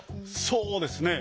そうですね。